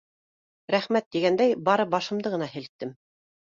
Рәхмәт тигәндәй бары башымды ғына һелктем.